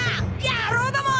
野郎ども！